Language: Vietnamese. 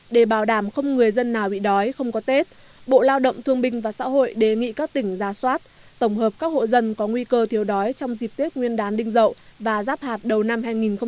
để bảo đảm không người dân nào bị đói không có tết bộ lao động thương minh và xã hội đề nghị các tỉnh ra soát tổng hợp các hộ dân có nguy cơ thiếu đói trong dịp tết nguyên đán đình dậu và giáp hạp đầu năm hai nghìn một mươi bảy